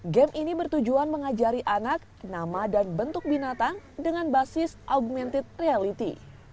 game ini bertujuan mengajari anak nama dan bentuk binatang dengan basis augmented reality